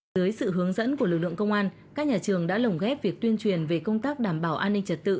dưới sự hướng dẫn của lực lượng công an các nhà trường đã lồng ghép việc tuyên truyền về công tác đảm bảo an ninh trật tự